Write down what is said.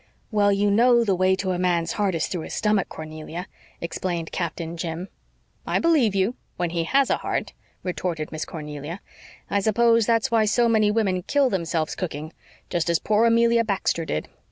"Well, you know, the way to a man's heart is through his stomach, Cornelia," explained Captain Jim. "I believe you when he HAS a heart," retorted Miss Cornelia. "I suppose that's why so many women kill themselves cooking just as poor Amelia Baxter did.